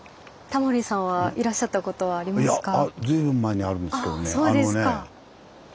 タモリさんはいらっしゃったことはありますか？